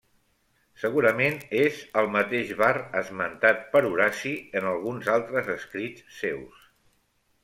Segurament és el mateix Var esmentat per Horaci en alguns altres escrits seus.